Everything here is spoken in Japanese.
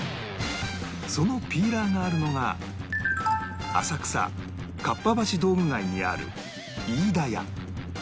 そのピーラーがあるのが浅草かっぱ橋道具街にある飯田屋